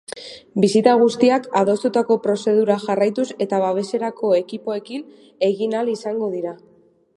Bisita guztiak adostutako prozedura jarraituz eta babeserako ekipoekin egin ahal izango dira.